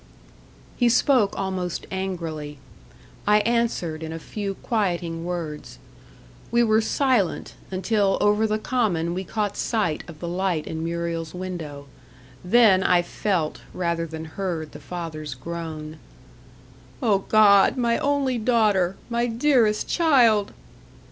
He spoke almost angrily. I answered in a few quieting words. We were silent, until over the common we caught sight of the light in Muriel's window. Then I felt rather than heard the father's groan. "Oh, God! my only daughter my dearest child!"